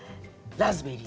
ラズベリー。